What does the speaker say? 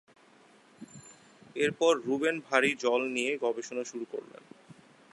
এর পর রুবেন ভারী জল নিয়ে গবেষণা শুরু করলেন।